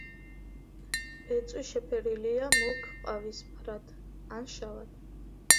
ბეწვი შეფერილია მუქ ყავისფრად ან შავად.